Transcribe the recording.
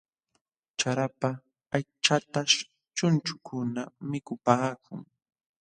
Charapa aychataśh chunchukuna mikupaakun.